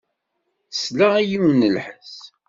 Tesla i yiwen n lḥess.